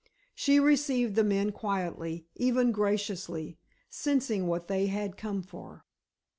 She received the men quietly, even graciously, sensing what they had come for.